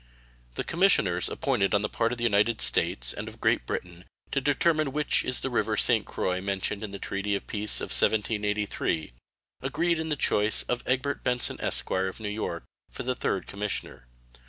The commissioners appointed on the part of the United States and of Great Britain to determine which is the river St. Croix mentioned in the treaty of peace of 1783, agreed in the choice of Egbert Benson, esq., of New York, for the 3rd commissioner.